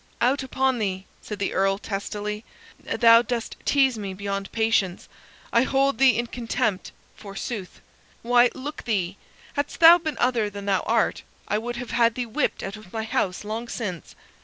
"Out upon thee!" said the Earl, testily. "Thou dost tease me beyond patience. I hold thee in contempt, forsooth! Why, look thee, hadst thou been other than thou art, I would have had thee whipped out of my house long since.